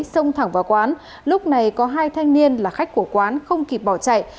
xông thẳng vào quán lúc này có hai thanh niên là khách của quán không kịp bỏ chạy